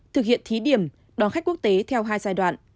thực hiện thí điểm đón khách quốc tế theo hai giai đoạn